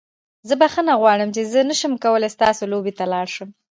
زه بخښنه غواړم چې زه نشم کولی ستاسو لوبې ته لاړ شم.